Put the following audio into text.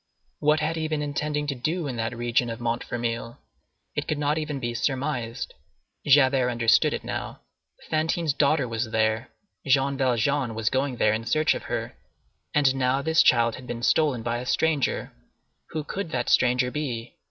What had he been intending to do in that region of Montfermeil? It could not even be surmised. Javert understood it now. Fantine's daughter was there. Jean Valjean was going there in search of her. And now this child had been stolen by a stranger! Who could that stranger be?